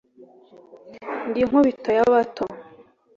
ndi inkubito y'abato